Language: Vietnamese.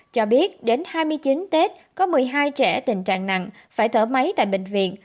cho biết đến hai mươi chín tết có một mươi hai trẻ tình trạng nặng phải thở máy tại bệnh viện